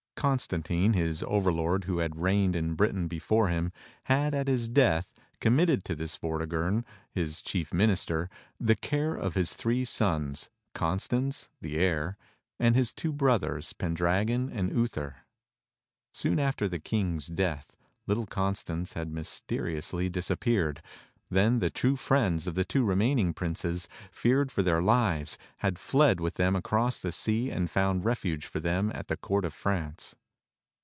Constantine, his over lord, who had reigned in Britain before him, had, at his death, com mitted to this Vortigern, his chief minister, the care of his three sons, Constans, the heir, and his two brothers Pendragon and Uther. Soon 2 THE STORY OF KING ARTHUR after the King's death little Constans had mysteriously disappeared. Then the true friends of the two remaining princes, fearing for their lives, had fled with them across the sea and found refuge for them at the court of France.